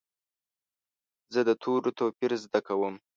زه د تورو توپیر زده کوم.